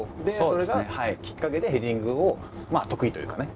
それがきっかけでヘディングをまあ得意というかね